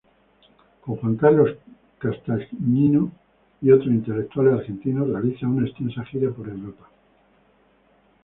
Con Juan Carlos Castagnino y otros intelectuales argentinos realiza una extensa gira por Europa.